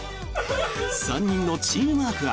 ３人のチームワークは？